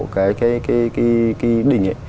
cái đỉnh ấy